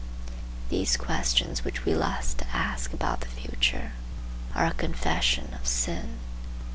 These questions which we lust to ask about the future are a confession of sin.